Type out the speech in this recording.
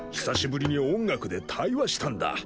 久しぶりに音楽で対話したんだ。